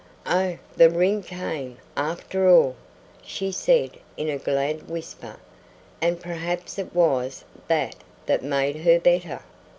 "Oh, the ring came, after all!" she said in a glad whisper, "and perhaps it was that that made her better!"